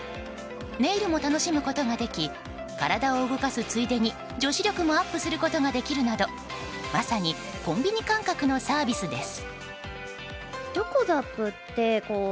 ネイルも楽しむことができ体を動かすついでに女子力もアップすることができるなどまさにコンビニ感覚のサービスです。